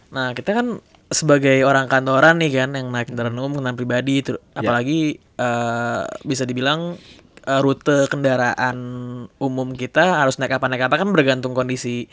nah kita kan sebagai orang kantoran nih kan yang naik kendaraan umum kendaraan pribadi apalagi bisa dibilang rute kendaraan umum kita harus naik kapal naik kapal kan bergantung kondisi